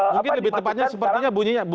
mungkin lebih tepatnya sepertinya bunyinya